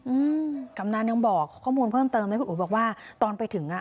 อืมกำนันยังบอกข้อมูลเพิ่มเติมไหมพี่อุ๋ยบอกว่าตอนไปถึงอ่ะ